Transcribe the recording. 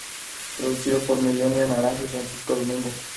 Producido por Milena Naranjo y Francisco Domingo.